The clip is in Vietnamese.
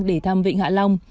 để thăm vịnh hạ long